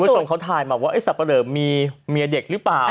คุณผู้ชมเค้าถ่ายมาว่าไอ้สัปดาห์มีเมียเด็กรึเปล่า